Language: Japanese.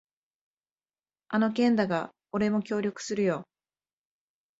あの件だが、俺も協力するよ。